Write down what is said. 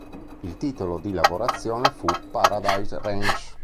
Il titolo di lavorazione fu "Paradise Ranch".